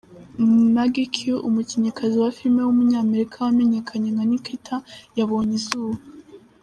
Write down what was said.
Maggie Q, umukinnyikazi wa filime w’umunyamerika wamenyekanye nka Nikita yabonye izuba.